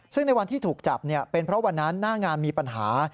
ซึ่งในวันที่ถูกจับเป็นเพราะวันนั้นหน้างานมีปัญหา